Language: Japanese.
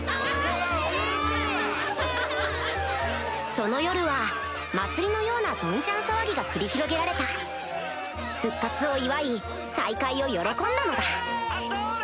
その夜は祭りのようなどんちゃん騒ぎが繰り広げられた復活を祝い再会を喜んだのだあっそれ！